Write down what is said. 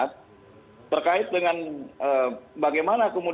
terkait dengan bagaimana kemudian seolah olah kita tidak harus melakukan hal hal yang benar